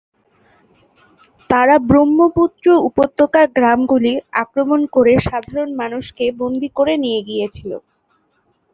তাঁরা ব্রহ্মপুত্র উপত্যকার গ্রামগুলি আক্রমণ করে সাধারণ মানুষকে বন্দী করে নিয়ে গিয়েছিল।